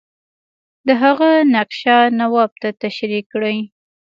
د هغه نقشه نواب ته تشریح کړي.